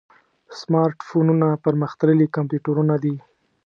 سمارټ فونونه پرمختللي کمپیوټرونه دي.